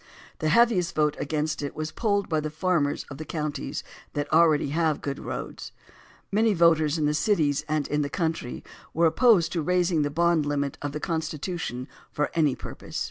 The heaviest vote against it was polled by the farmers of the counties that already have good roads. Many voters in the cities and in the country were opposed to raising the bond limit of the Constitution for any purpose.